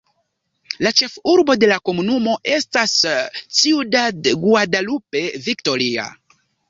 La ĉefurbo de la komunumo estas "Ciudad Guadalupe Victoria".